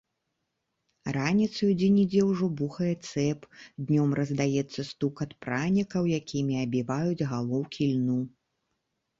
Раніцаю дзе-нідзе ўжо бухае цэп, днём раздаецца стукат пранікаў, якімі абіваюць галоўкі льну.